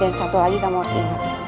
dan satu lagi kamu harus ingat